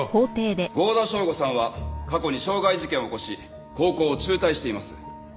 剛田祥吾さんは過去に傷害事件を起こし高校を中退しています。